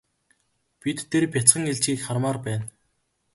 Бид тэр бяцхан илжгийг хармаар байна.